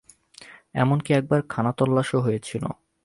এমনকি, একবার খানাতল্লাশও হয়েছিল।